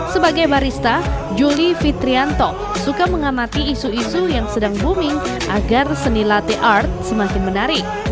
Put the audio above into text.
sebagai barista julie fitrianto suka mengamati isu isu yang sedang booming agar seni latte art semakin menarik